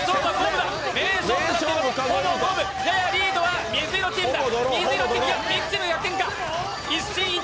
ややリードは水色チームだ。